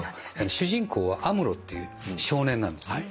主人公はアムロっていう少年なんだよね。